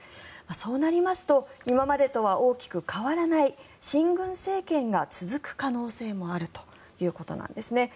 そうなりますと今までとは大きく変わらない親軍政権が続く可能性もあるということです。